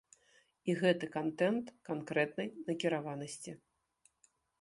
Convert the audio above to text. І гэты кантэнт канкрэтнай накіраванасці.